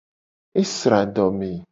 Esra adome.